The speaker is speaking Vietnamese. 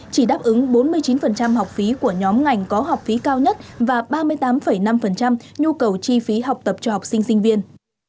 chỉ đáp ứng bốn mươi chín học phí của nhóm ngành có học phí cao nhất và ba mươi tám năm nhu cầu chi phí học tập cho học sinh sinh viên